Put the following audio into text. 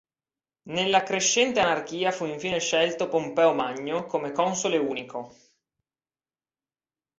Nella crescente anarchia fu infine scelto Pompeo Magno come console unico.